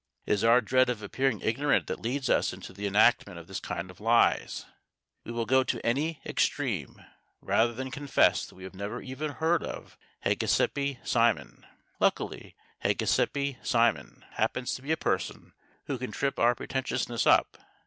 It is our dread of appearing ignorant that leads us into the enactment of this kind of lies. We will go to any extreme rather than confess that we have never even heard of Hégésippe Simon. Luckily, Hégésippe Simon happens to be a person who can trip our pretentiousness up.